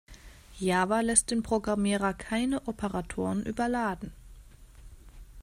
Java lässt den Programmierer keine Operatoren überladen.